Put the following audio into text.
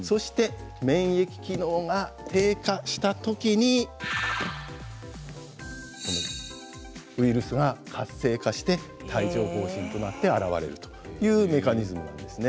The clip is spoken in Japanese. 免疫機能が低下したときにウイルスが活性化して帯状ほう疹となって現れるというメカニズムなんです。